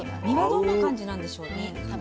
身はどんな感じなんでしょうね。